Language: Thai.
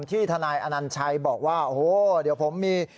ทนายอนัญชัยบอกว่าโอ้โหเดี๋ยวผมมี